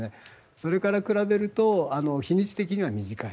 それから比べると日にち的には短い。